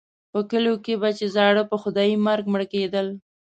په کلیو کې به چې زاړه په خدایي مرګ مړه کېدل.